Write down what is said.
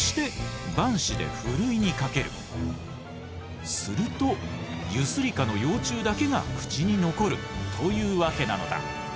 そしてするとユスリカの幼虫だけが口に残るというわけなのだ！